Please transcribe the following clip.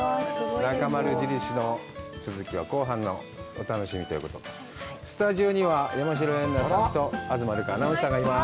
「なかまる印」の続きは後半のお楽しみということで、スタジオには山代エンナちゃんと東留伽アナウンサーがいます。